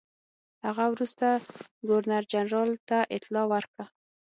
هغه وروسته ګورنرجنرال ته اطلاع ورکړه.